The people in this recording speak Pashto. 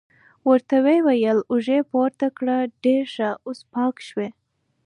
ورته یې وویل: اوږې پورته کړه، ډېر ښه، اوس پاک شوې.